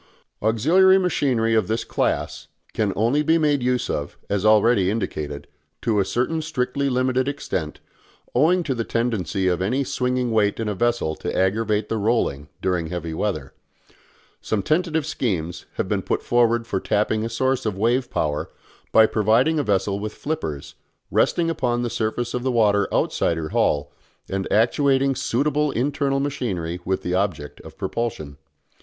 Auxiliary machinery of this class can only be made use of, as already indicated, to a certain strictly limited extent, owing to the tendency of any swinging weight in a vessel to aggravate the rolling during heavy weather. Some tentative schemes have been put forward for tapping a source of wave power by providing a vessel with flippers, resting upon the surface of the water outside her hull, and actuating suitable internal machinery with the object of propulsion.